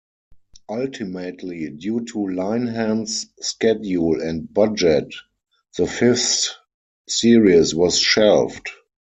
Ultimately due to Linehan's schedule and budget the fifth series was shelved.